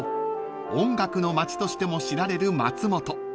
音楽の街としても知られる松本］